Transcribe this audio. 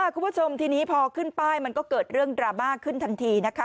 คุณผู้ชมทีนี้พอขึ้นป้ายมันก็เกิดเรื่องดราม่าขึ้นทันทีนะคะ